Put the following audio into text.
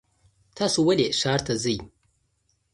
تاسو ولې ښار ته ځئ؟